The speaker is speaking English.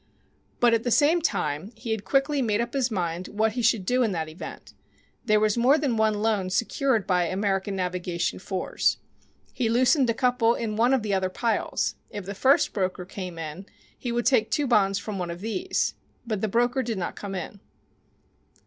But at the same time he had quickly made up his mind what he should do in that event. There was more than one loan secured by American Navigation 4s. He loosened a couple in one of the other piles. If the first broker came in he would take two bonds from one of these. But the broker did not come in.